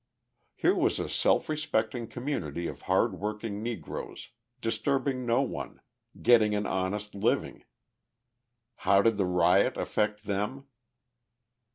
Here was a self respecting community of hard working Negroes, disturbing no one, getting an honest living. How did the riot affect them?